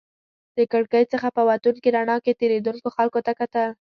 د کړکۍ څخه په وتونکې رڼا کې تېرېدونکو خلکو ته کتل.